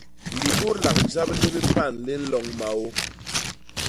Libudlak jap li bipan li nloñ maô.